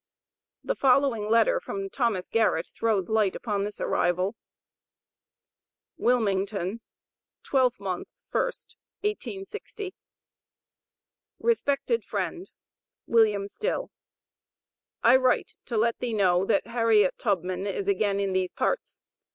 The following letter from Thomas Garrett throws light upon this arrival: WILMINGTON, 12th mo., 1st, 1860. RESPECTED FRIEND: WILLIAM STILL: I write to let thee know that Harriet Tubman is again in these parts.